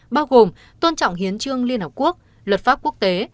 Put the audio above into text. bao gồm tôn trọng hiến trương liên hợp quốc luật pháp quốc tế